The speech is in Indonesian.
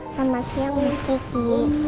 selamat siang miski